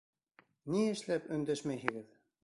Ни эшләп өндәшмәйһегеҙ?